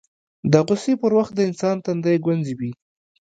د غوسې پر وخت د انسان تندی ګونځې کوي